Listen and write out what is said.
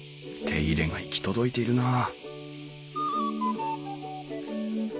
手入れが行き届いているなあ